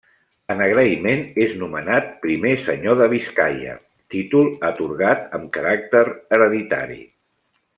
En agraïment és nomenat primer Senyor de Biscaia, títol atorgat amb caràcter hereditari.